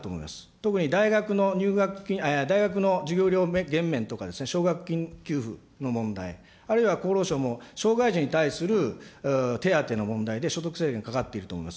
特に大学の入学金、大学の授業料減免とか奨学金給付の問題、あるいは厚労省も障害児に対する手当の問題で、所得制限かかっていると思います。